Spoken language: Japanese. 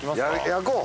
焼こう